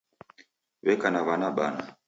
W'eka na w'ana bana.